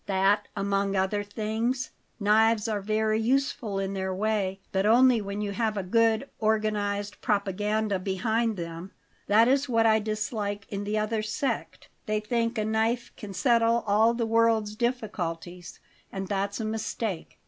"That, among other things. Knives are very useful in their way; but only when you have a good, organized propaganda behind them. That is what I dislike in the other sect. They think a knife can settle all the world's difficulties; and that's a mistake.